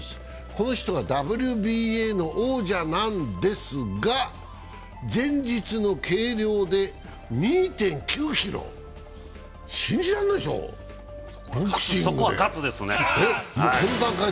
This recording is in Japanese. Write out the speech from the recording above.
この人がＷＢＡの王者なんですが前日の計量で２．９ｋｇ信じられないでしょ、ボクシングでそこは喝ですね。